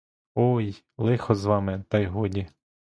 Ой, лихо з вами, та й годі!